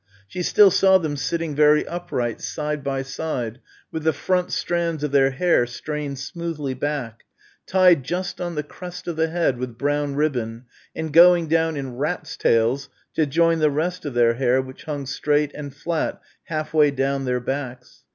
She still saw them sitting very upright, side by side, with the front strands of their hair strained smoothly back, tied just on the crest of the head with brown ribbon and going down in "rats' tails" to join the rest of their hair which hung straight and flat half way down their backs.